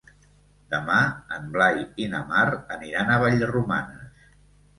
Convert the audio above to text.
Demà en Blai i na Mar aniran a Vallromanes.